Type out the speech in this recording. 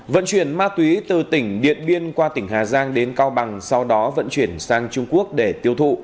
vận chuyển ma túy từ tỉnh điện biên qua tỉnh hà giang đến cao bằng sau đó vận chuyển sang trung quốc để tiêu thụ